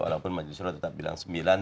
walaupun maju surah tetap bilang sembilan